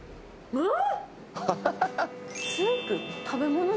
うん！